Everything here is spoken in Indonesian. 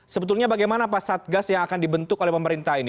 sebetulnya bagaimana pak satgas yang akan dibentuk oleh pemerintah ini